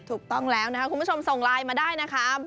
ถูกต้องแล้วนะคะคุณผู้ชมส่งไลน์มาได้นะคะ